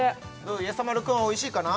やさ丸くんはおいしいかな？